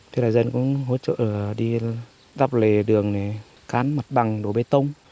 thế là dân cũng hỗ trợ đi đắp lề đường cán mặt bằng đổ bê tông